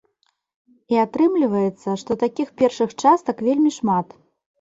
І атрымліваецца, што такіх першых частак вельмі шмат.